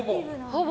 ほぼ。